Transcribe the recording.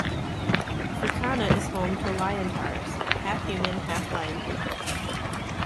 Fricana is home to Liontaurs, half-human, half-lion creatures.